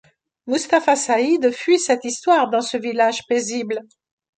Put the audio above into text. Moustafa Saïd fuit cette histoire dans ce village paisible.